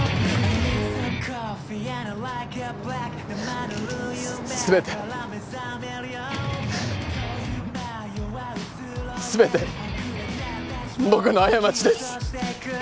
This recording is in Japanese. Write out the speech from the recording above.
全て全て僕の過ちです。